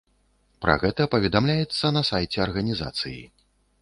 Пра гэта паведамляецца на сайце арганізацыі.